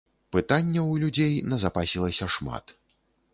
Пытанняў у людзей назапасілася шмат.